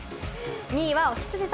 ２位はおひつじ座。